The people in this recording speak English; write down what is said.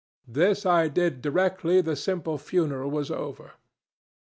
"This I did directly the simple funeral was over.